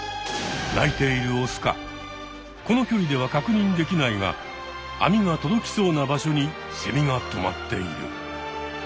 鳴いているオスかこの距離ではかくにんできないが網が届きそうな場所にセミがとまっている。